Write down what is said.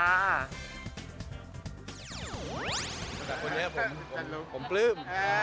แต่คนนี้แหละผมผมปลื้ม